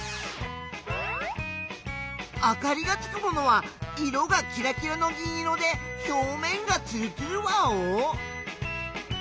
あかりがつくものは色がキラキラの銀色でひょうめんがつるつるワオ？